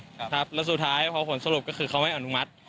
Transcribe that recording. ครับแล้วสุดท้ายพอผลสรุปก็คือเขาไม่อนุมัติ